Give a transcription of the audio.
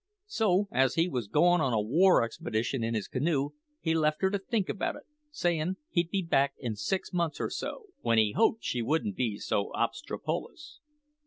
So, as he was goin' on a war expedition in his canoe, he left her to think about it, sayin' he'd be back in six months or so, when he hoped she wouldn't be so obstropolous.